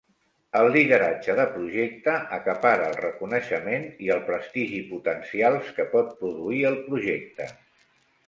El lideratge de projecte acapara el reconeixement i el prestigi potencials que pot produir el projecte.